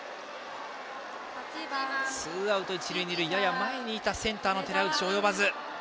ツーアウト一塁二塁やや前にいたセンターの寺内は及ばず。